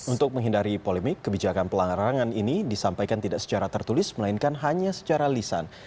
untuk menghindari polemik kebijakan pelarangan ini disampaikan tidak secara tertulis melainkan hanya secara lisan